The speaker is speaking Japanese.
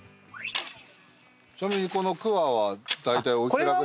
ちなみにこの鍬は大体おいくらぐらい？